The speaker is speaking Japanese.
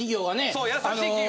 そう優しい企業。